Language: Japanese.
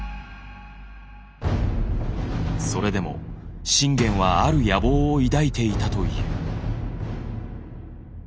それでも信玄はある野望を抱いていたという。